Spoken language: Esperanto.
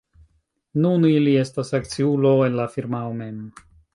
Nun ili estas akciulo en la firmao mem.